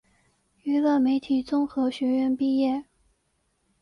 娱乐媒体综合学院毕业。